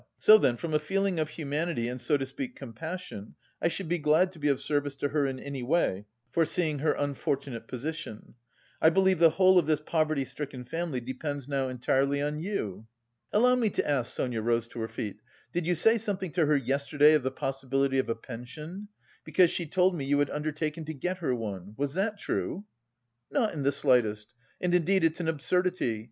So then from a feeling of humanity and so to speak compassion, I should be glad to be of service to her in any way, foreseeing her unfortunate position. I believe the whole of this poverty stricken family depends now entirely on you?" "Allow me to ask," Sonia rose to her feet, "did you say something to her yesterday of the possibility of a pension? Because she told me you had undertaken to get her one. Was that true?" "Not in the slightest, and indeed it's an absurdity!